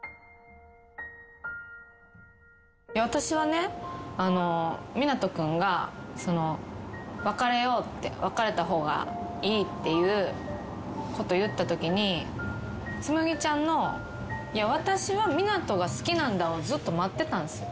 私はね湊斗君が別れようって別れた方がいいっていうこと言ったときに紬ちゃんの「いや私は湊斗が好きなんだ」をずっと待ってたんすよ。